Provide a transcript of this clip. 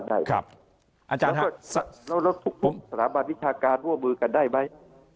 เดี๋ยวก็สารบาลวิทยาการร่วมมือกันได้ไหม